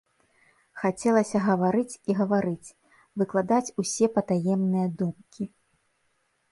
Хацелася гаварыць і гаварыць, выкладаць усе патаемныя думкі.